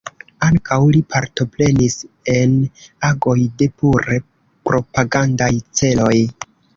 Ankaŭ li partoprenis en agoj de pure propagandaj celoj.